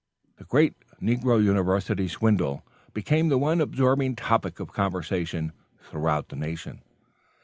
The great "Negro University Swindle" became the one absorbing topic of conversation throughout the Union.